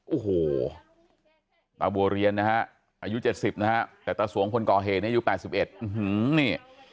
โอ้โหตาบัวเรียนนะฮะอายุ๗๐นะฮะแต่ตาสวงคนก่อเหตุอายุ๘๑อื้อหือนี่